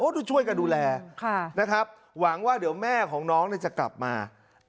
ด้วยช่วยกันดูแลนะครับหวังว่าเดี๋ยวแม่ของน้องจะกลับมา